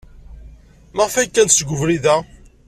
Maɣef ay kkant seg ubrid-a?